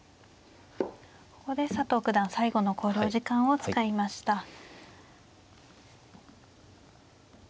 ここで佐藤九段最後の考慮時間を使いました。